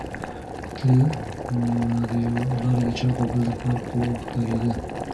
ده ته یوه لار د چوک او بله د پارک په لور ښکارېده.